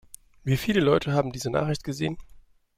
Wie viele Leute haben diese Nachricht gesehen?